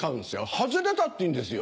外れたっていいんですよ。